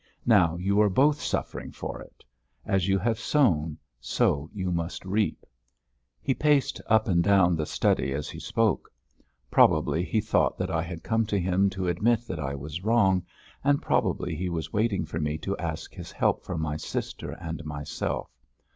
Now you are both suffering for it. As you have sown, so you must reap." He paced up and down the study as he spoke. Probably he thought that I had come to him to admit that I was wrong, and probably he was waiting for me to ask his help for my sister and myself.